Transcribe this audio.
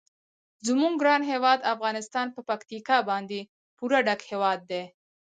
زموږ ګران هیواد افغانستان په پکتیکا باندې پوره ډک هیواد دی.